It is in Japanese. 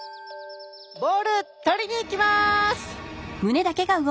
ボール取りに行きます！